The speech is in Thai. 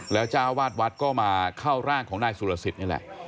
แล้วจ้าวาดวัดก็มาเข้าร่างของนายสุรสิทธิ์นี่แหละ